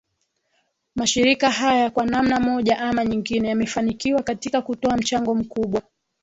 mashirika haya kwa namna moja ama nyingine yamefanikiwa katika kutoa mchango mkubwa